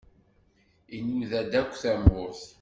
Inuda-d akk tamurt.